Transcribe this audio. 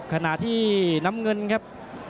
ขณะที่น้ำเงินครับ